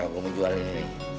gue mau jual ini